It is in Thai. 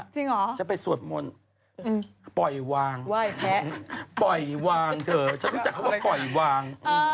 จริงเหรอจะไปสวดมนต์ปล่อยวางปล่อยวางเถอะฉันรู้จักเขาว่าปล่อยวาง